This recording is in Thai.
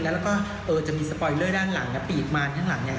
แล้วก็จะมีสปอยเลอร์ด้านหลังปีกมานข้างหลังเนี่ย